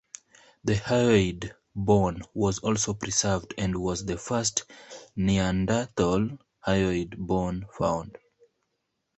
The hyoid bone was also preserved, and was the first Neanderthal hyoid bone found.